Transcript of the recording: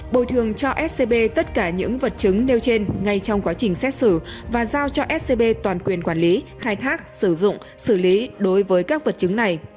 bồi thường cho scb tất cả những vật chứng nêu trên ngay trong quá trình xét xử và giao cho scb toàn quyền quản lý khai thác sử dụng xử lý đối với các vật chứng này